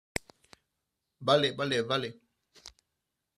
vale, vale , vale.